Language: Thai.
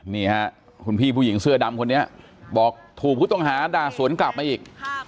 นี่ฮะคุณพี่ผู้หญิงเสื้อดำคนนี้บอกถูกผู้ต้องหาด่าสวนกลับมาอีก